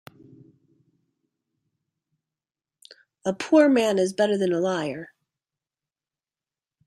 A poor man is better than a liar.